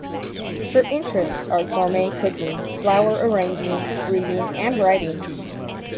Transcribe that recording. Her interests are gourmet cooking, flower arranging, reading, and writing.